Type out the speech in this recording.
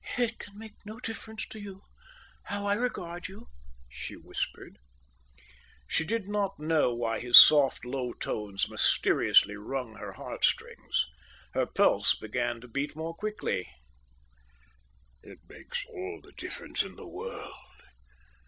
"It can make no difference to you how I regard you," she whispered. She did not know why his soft, low tones mysteriously wrung her heartstrings. Her pulse began to beat more quickly. "It makes all the difference in the world.